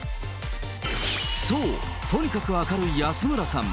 そう、とにかく明るい安村さん。